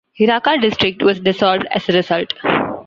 Hiraka District was dissolved as a result.